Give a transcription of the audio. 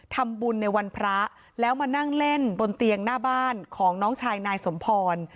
ทำบุญในวันพระแล้วมานั่งเล่นบนเตียงหน้าบ้านของน้องชายนายสมพร